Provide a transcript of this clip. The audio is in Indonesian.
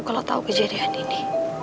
kalau tau kejadian ini